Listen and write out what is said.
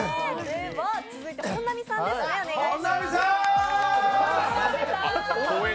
続いて本並さんですねお願いします。